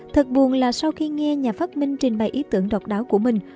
thật buồn là sau khi nghe nhà phát minh trình bày ý tưởng độc đáo của mình